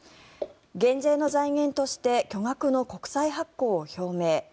減税の財源として巨額の国債発行を表明。